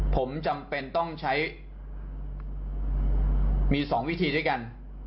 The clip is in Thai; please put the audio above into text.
ผมจำเป็นต้องใช้มี๒วิธีด้วยกัน